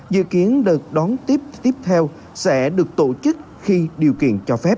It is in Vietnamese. dự kiến đợt đón tiếp tiếp theo sẽ được tổ chức khi điều kiện cho phép